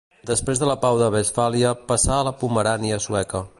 Després de la Pau de Westfàlia passà a la Pomerània Sueca.